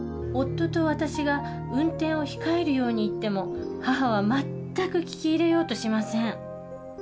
夫と私が運転を控えるように言っても母は全く聞き入れようとしません。